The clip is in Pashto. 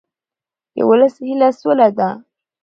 د ولس هیله سوله ده